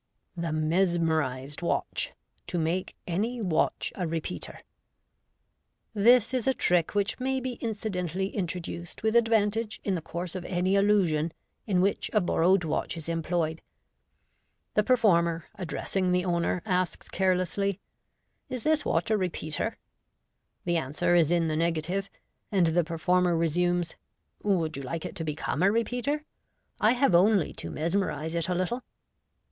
The Mesmerised Watch. To Makb any Watch a Re peater.— This is a trick which may be incidentally introduced with advantage in the course of any illusion in which a borrowed watch is employed. The performer, addressing the owner, asks carelessly, " Is this watch a repeater ?" The answer is in the negative, and the per former resumes, " Would you like it to become a repeater ? I have only to mesmerise it a little."